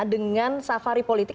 dengan safari politik